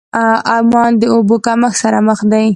عمان د اوبو کمښت سره مخ دی.